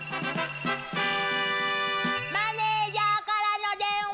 マネージャーからの電話。